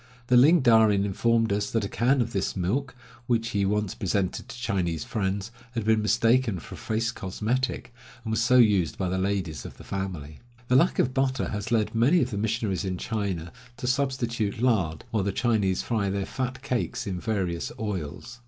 The Ling Darin informed us that a can of this milk, which he once presented to Chinese friends, had been mistaken for a face cosmetic, and was so used by the ladies of the family. The lack of butter has led many of the missionaries in China to substitute lard, while the Chinese fry their fat cakes in various oils.